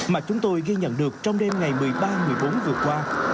mà chúng tôi ghi nhận được trong đêm ngày một mươi ba một mươi bốn vừa qua